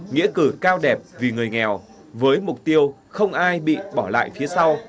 nghĩa cử cao đẹp vì người nghèo với mục tiêu không ai bị bỏ lại phía sau